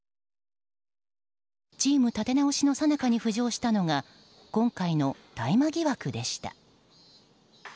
チーム立て直しのさなかに浮上したのが今回の大麻疑惑でした。